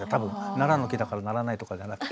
ナラの木だからならないとかじゃなくて。